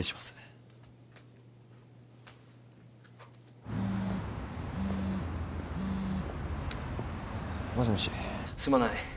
すまない。